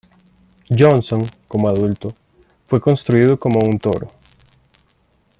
Johnson, como adulto, fue construido como un toro.